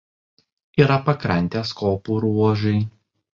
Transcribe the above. Yra pakrantės kopų ruožai.